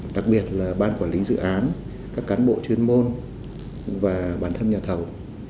đặc biệt là ban quản lý dự án các cán bộ chuyên môn và bản thân nhà thầu